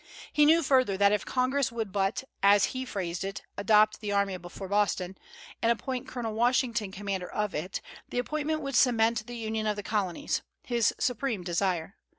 He knew further that if Congress would but, as he phrased it, "adopt the army before Boston" and appoint Colonel Washington commander of it, the appointment would cement the union of the Colonies, his supreme desire.